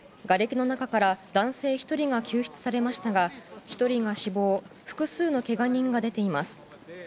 がれきの中から男性１人が救出されましたが１人が死亡複数のけが人が出ています。